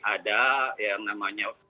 ada yang namanya